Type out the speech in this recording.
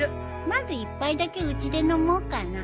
まず１杯だけうちで飲もうかな。